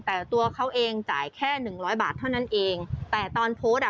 แต่ตัวเขาเองจ่ายแค่หนึ่งร้อยบาทเท่านั้นเองแต่ตอนโพสต์อ่ะ